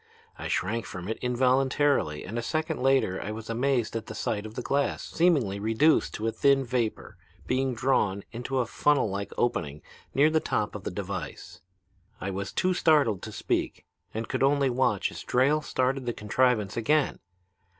I shrank from it involuntarily and a second later I was amazed at the sight of the glass, seemingly reduced to a thin vapor, being drawn into a funnel like opening near the top of the device. I was too startled to speak and could only watch as Drayle started the contrivance again.